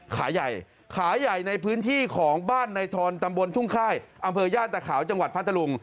ขาใหญ่ขาใหญ่ในพื้นที่ของบ้านในทอนตำบลทุ่งค่ายอำเภอย่านตะขาวจังหวัดพัทธรุง